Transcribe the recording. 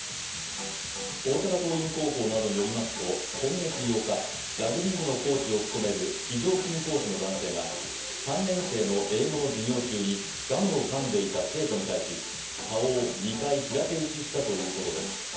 大阪桐蔭高校などによりますと今月８日ラグビー部のコーチを務める非常勤講師の男性が３年生の生後の授業中にガムをかんでいた生徒に対し顔を２回平手打ちしたということです。